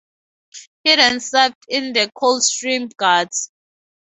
He then served in the Coldstream Guards.